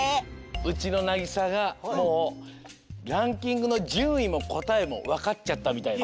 うちのなぎさがもうランキングのじゅんいもこたえもわかっちゃったみたい。